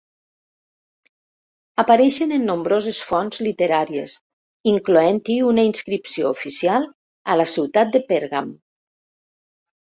Apareix en nombroses fonts literàries, incloent-hi una inscripció oficial a la ciutat de Pèrgam.